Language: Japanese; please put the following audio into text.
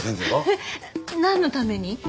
えっなんのために？